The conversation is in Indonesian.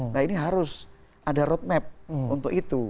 nah ini harus ada roadmap untuk itu